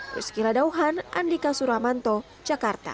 rizky ladauhan andika suramanto jakarta